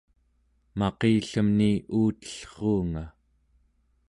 maqillemni uutellruunga